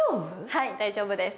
はい大丈夫です